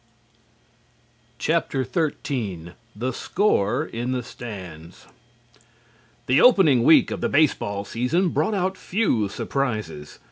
XIII THE SCORE IN THE STANDS The opening week of the baseball season brought out few surprises.